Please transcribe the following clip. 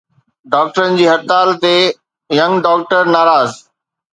ڊاڪٽرن جي هڙتال تي ”ينگ ڊاڪٽر“ ناراض.